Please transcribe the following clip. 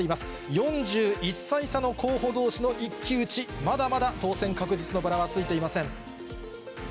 ４１歳差の候補どうしの一騎打ち、まだまだ当選確実のバラはついていません。